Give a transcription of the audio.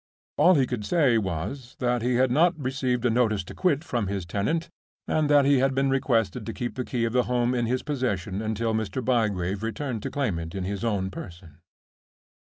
All he could say was, that he had not received a notice to quit from his tenant, and that he had been requested to keep the key of the house in his possession until Mr. Bygrave returned to claim it in his own person.